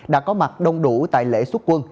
đã có mặt đông đủ tại lễ xuất quân